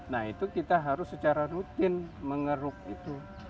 nah itu kita harus secara rutin mengeruk itu